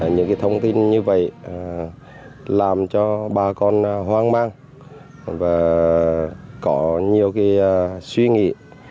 những thông tin như vậy làm cho bà con hoang mang và có nhiều suy nghĩ